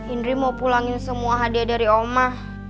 indri mau pulangin semua hadiah dari oma